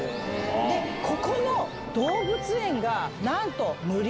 でここの動物園がなんと無料。